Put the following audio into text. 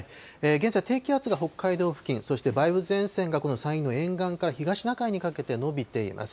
現在、低気圧が北海道付近、そして梅雨前線がこの山陰の沿岸から東シナ海にかけて延びています。